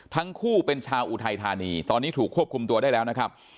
ทั้งคู่เป็นชาวอุทัยธานีตอนนี้ถูกควบคุมตัวได้แล้วนะครับ